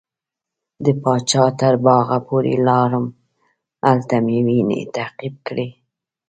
د پاچا تر باغه پورې لاړم هلته مې وینې تعقیب کړې.